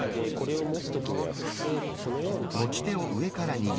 これを持つときには普通このように普通持ちますよね。